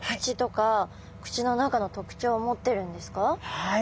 はい。